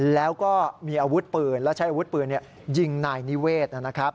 แล้วก็มีอาวุธปืนและใช้อาวุธปืนยิงนายนิเวศนะครับ